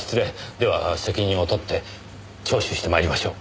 では責任を取って聴取してまいりましょう。